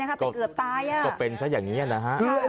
ก็เป็นซะอย่างนี้นะฮะ